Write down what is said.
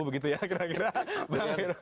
begitu ya kira kira